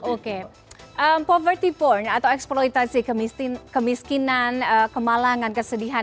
oke poverty porn atau eksploitasi kemiskinan kemalangan kesedihan